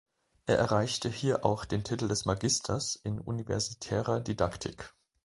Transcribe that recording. Er erreichte hier auch den Titel des Magisters in Universitärer Didaktik.